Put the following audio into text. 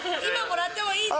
今もらってもいいですか？